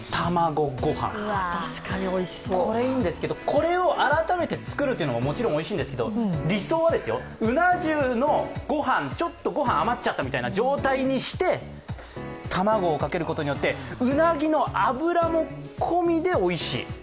これを改めて作るというのももちろんおいしいんですが、理想は、うな重のご飯ちょっとご飯余っちゃったという状態にして卵をかけることによってうなぎの脂も込みでおいしい。